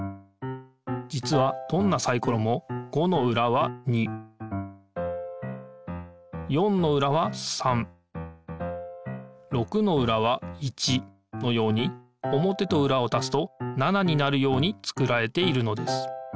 じつはどんなサイコロも５の裏は２４の裏は３６の裏は１のように表と裏をたすと７になるように作られているのです。